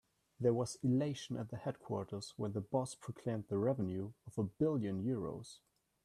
There was elation at the headquarters when the boss proclaimed the revenue of a billion euros.